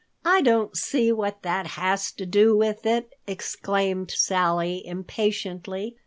"I don't see what that has to do with it," exclaimed Sally impatiently.